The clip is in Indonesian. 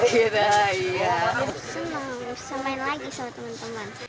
senang senang lagi sama teman teman